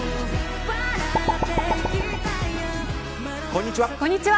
こんにちは。